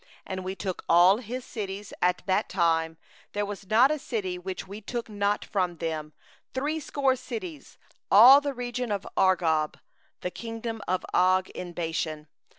4And we took all his cities at that time; there was not a city which we took not from them; threescore cities, all the region of Argob, the kingdom of Og in Bashan.